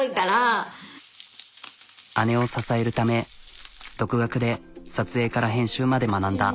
姉を支えるため独学で撮影から編集まで学んだ。